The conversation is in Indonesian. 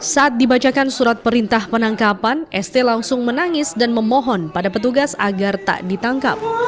saat dibacakan surat perintah penangkapan st langsung menangis dan memohon pada petugas agar tak ditangkap